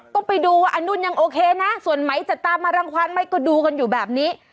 ก็ไปดูว่าอนุ่นยังโอเคนะส่วนไหมจะตามมารังความไหมก็ดูกันอยู่แบบนี้